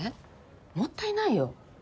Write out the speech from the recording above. もったいないよ。